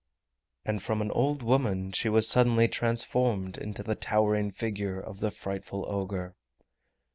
And from an old woman she was suddenly transformed into the towering figure of the frightful ogre!